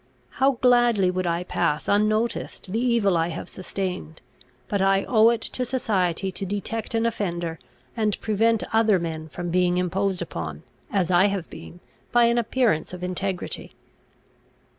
How gladly would I pass unnoticed the evil I have sustained; but I owe it to society to detect an offender, and prevent other men from being imposed upon, as I have been, by an appearance of integrity."